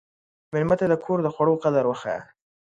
مېلمه ته د کور د خوړو قدر وښیه.